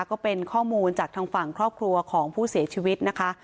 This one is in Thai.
ก็เป็นข้อมูลจากทางฝั่งครอบครัวของผู้เสียชีวิตนะคะ